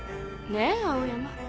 ねえ青山。